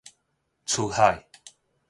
出海